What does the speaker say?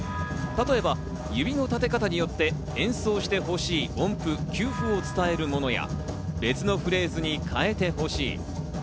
例えば指の立て方によって演奏してほしい音符、休符を伝えるものや、別のフレーズに変えてほしい。